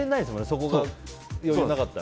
そこが余裕なかったら。